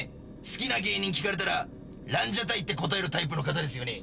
好きな芸人聞かれたらランジャタイって答えるタイプの方ですよね。